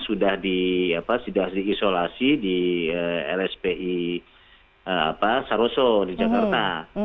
sudah di apa sudah diisolasi di rspi saroso di jakarta